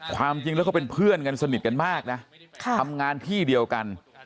ความจริงแล้วก็เป็นเพื่อนกันสนิทกันมากนะทำงานที่เดียวกัน